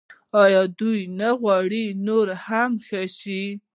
آیا دوی نه غواړي نور هم ښه شي؟